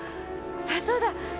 あ、そうだ。